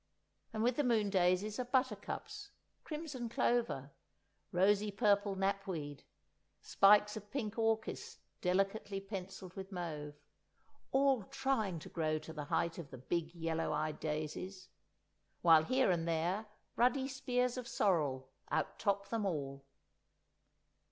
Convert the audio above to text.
And with the moon daisies are buttercups, crimson clover, rosy purple knapweed, spikes of pink orchis delicately pencilled with mauve—all trying to grow to the height of the big yellow eyed daisies; while here and there ruddy spears of sorrel out top them all.